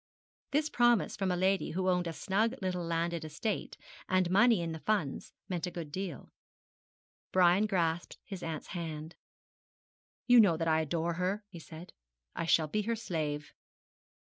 This promise from a lady who owned a snug little landed estate, and money in the funds, meant a good deal. Brian grasped his aunt's hand. 'You know that I adore her,' he said. 'I shall be her slave.'